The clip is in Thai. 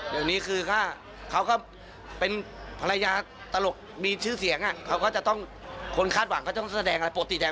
มันพร้อมจะไปจากเราได้ตลอดไปแล้ว